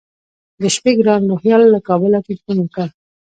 د شپې ګران روهیال له کابله تیلفون وکړ.